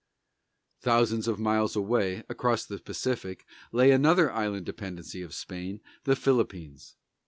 Thousands of miles away, across the Pacific, lay another island dependency of Spain, the Philippines.